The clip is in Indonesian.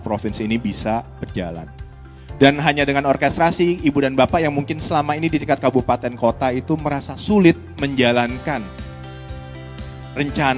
province ini bisa berjalan dan hanya dengan orkestrasi ibu dan bapak yang mungkin selama